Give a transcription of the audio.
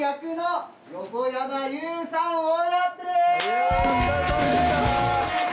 いやお疲れさまでした！